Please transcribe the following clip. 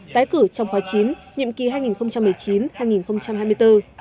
tái cử trong khóa chín nhiệm kỳ hai nghìn một mươi chín hai nghìn hai mươi bốn